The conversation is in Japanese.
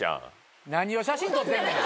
何を写真撮ってんねん！